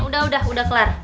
udah udah udah kelar